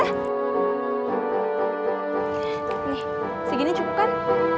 nih segini cukup kan